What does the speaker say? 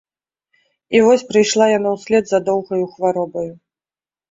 І вось прыйшла яна ўслед за доўгаю хваробаю.